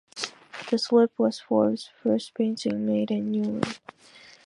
"The Slip" was Forbes first painting made in Newlyn.